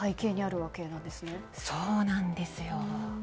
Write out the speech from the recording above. そうなんですよ。